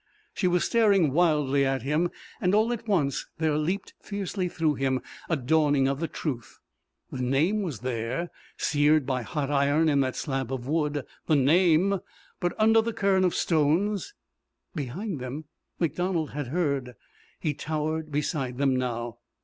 She was staring wildly at him, and all at once there leapt fiercely through him a dawning of the truth. The name was there, seared by hot iron in that slab of wood. The name! But under the cairn of stones Behind them MacDonald had heard. He towered beside them now.